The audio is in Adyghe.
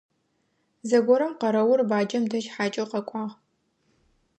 Зэгорэм къэрэур баджэм дэжь хьакӀэу къэкӀуагъ.